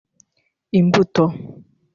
Imbuto